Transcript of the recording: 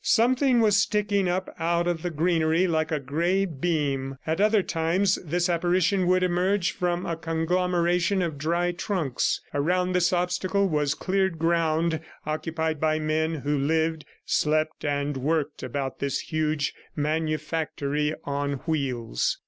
Something was sticking up out of the greenery like a gray beam; at other times, this apparition would emerge from a conglomeration of dry trunks. Around this obstacle was cleared ground occupied by men who lived, slept and worked about this huge manufactory on wheels.